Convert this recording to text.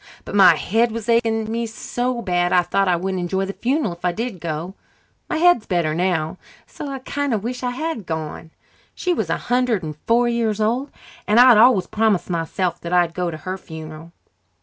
But my head was aching me so bad I thought I wouldn't enjoy the funeral if I did go. My head is better now, so I kind of wish I had gone. She was a hundred and four years old and I'd always promised myself that I'd go to her funeral."